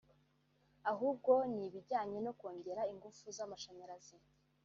ahubwo n’ibijyanye no kongera ingufu z’amashanyarazi